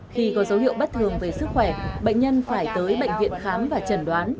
khi có dấu hiệu bất thường về sức khỏe bệnh nhân phải tới bệnh viện khám và chẩn đoán